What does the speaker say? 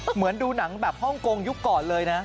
เหมือนดูหนังแบบฮ่องกงยุคก่อนเลยนะ